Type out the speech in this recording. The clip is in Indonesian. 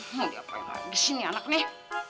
mau diapain lagi sini anak nih